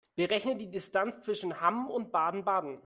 Berechne die Distanz zwischen Hamm und Baden-Baden